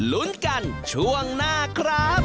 ลุ้นกันช่วงหน้าครับ